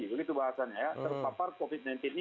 begitu bahasanya ya terpapar covid sembilan belas ini